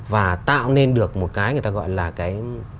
và tạo nên được một cái người ta gọi là cái